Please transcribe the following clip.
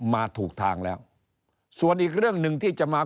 มาถูกทางแล้วส่วนอีกเรื่องหนึ่งที่จะมา